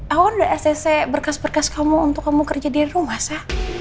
aku kan udah esese berkas berkas kamu untuk kamu kerja di rumah sa